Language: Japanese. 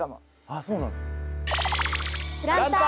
あっそうなんだ。